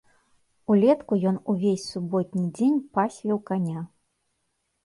Улетку ён увесь суботні дзень пасвіў каня.